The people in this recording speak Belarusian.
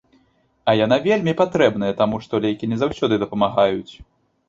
А яна вельмі патрэбная, таму што лекі не заўсёды дапамагаюць.